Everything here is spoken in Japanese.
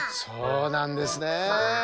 そうなんですね！